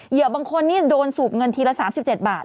บางคนนี่โดนสูบเงินทีละ๓๗บาท